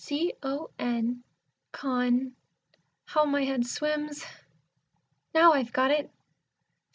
C O N con how my head swims! Now I've got it!